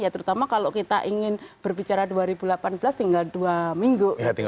terutama kalau kita ingin berbicara dua ribu delapan belas tinggal dua minggu